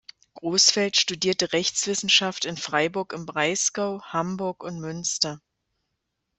Großfeld studierte Rechtswissenschaft in Freiburg im Breisgau, Hamburg und Münster.